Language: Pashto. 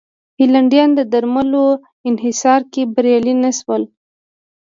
هالنډیان د درملو انحصار کې بریالي نه شول.